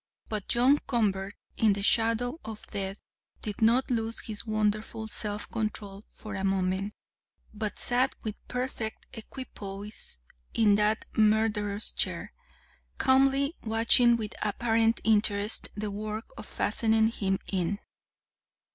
But John Convert, in the shadow of death, did not lose his wonderful self control for a moment, but sat with perfect equipoise in that murderous chair, calmly watching with apparent interest the work of fastening him in.